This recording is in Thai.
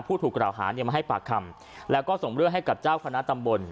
ถูกกล่าวหาเนี่ยมาให้ปากคำแล้วก็ส่งเรื่องให้กับเจ้าคณะตำบล